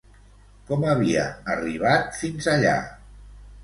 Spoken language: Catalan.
Com havia arribat fins allà?